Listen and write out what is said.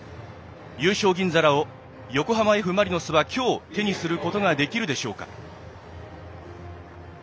優勝銀皿を横浜Ｆ・マリノスは今日、手にすることができるでしょうか。